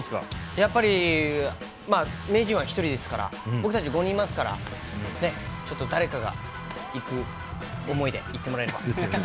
やっぱりまあ、名人は１人ですから、僕たち５人いますから、ちょっと誰かがいく想いでいってもらえれば。